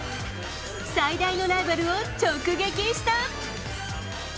最大のライバルを直撃した。